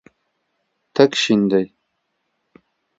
تک شین دی.